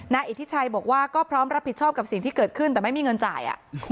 อิทธิชัยบอกว่าก็พร้อมรับผิดชอบกับสิ่งที่เกิดขึ้นแต่ไม่มีเงินจ่าย